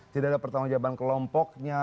tidak ada pertanggung jawaban kelompoknya